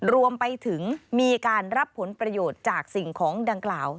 รวมไปถึงมีการรับผลประโยชน์จากสิ่งของดังกล่าว